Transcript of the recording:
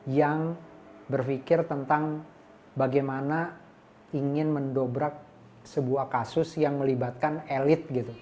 yang berpikir tentang bagaimana ingin mendobrak sebuah kasus yang melibatkan elit